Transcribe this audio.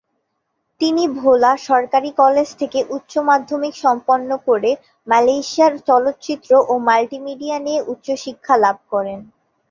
তিনি ভোলা সরকারি কলেজ থেকে উচ্চ মাধ্যমিক সম্পন্ন করে মালয়েশিয়ায় চলচ্চিত্র ও মাল্টিমিডিয়া নিয়ে উচ্চ শিক্ষা লাভ করেন।